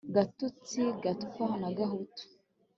gatutsi, gatwa na gahutu